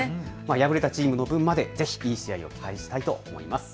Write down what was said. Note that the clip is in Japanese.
敗れたチームの分までぜひいい試合を期待したいと思います。